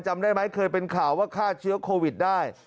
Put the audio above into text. จำได้ไหมเคยเป็นข่าวว่าฆ่าเชื้อโควิดได้